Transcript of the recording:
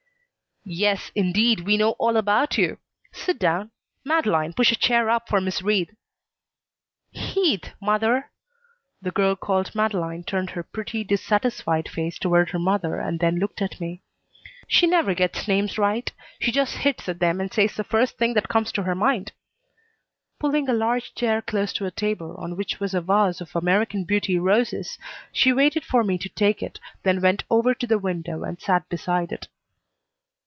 "Yes, indeed, we know all about you. Sit down. Madeleine, push a chair up for Miss Wreath." "Heath, mother!" The girl called Madeleine turned her pretty, dissatisfied face toward her mother and then looked at me. "She never gets names right. She just hits at them and says the first thing that comes to her mind." Pulling a large chair close to a table, on which was a vase of American Beauty roses, she waited for me to take it, then went over to the window and sat beside it.